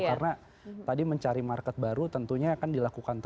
karena tadi mencari market baru tentunya akan dilakukan terus ya